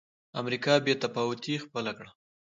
امریکا بې تفاوتي خپله کړه.